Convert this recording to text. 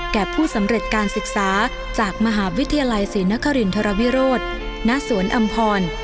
ผู้สำเร็จการศึกษาจากมหาวิทยาลัยศรีนครินทรวิโรธณสวนอำพร